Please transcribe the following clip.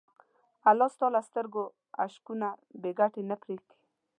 الله ستا له سترګو اشکونه بېګټې نه پرېږدي.